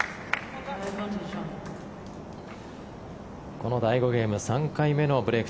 この第５ゲーム３回目のブレーク